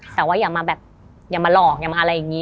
แต่ว่าอย่ามาหลอกอย่ามาอะไรอย่างนี้